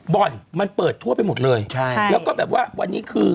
บ่อนมันเปิดทั่วไปหมดเลยใช่ค่ะแล้วก็แบบว่าวันนี้คือ